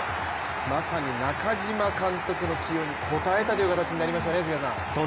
まさに中嶋監督の起用に応えたという形になりましたね。